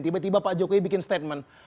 tiba tiba pak jokowi bikin statement